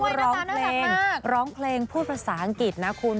ร้องเพลงร้องเพลงพูดภาษาอังกฤษนะคุณ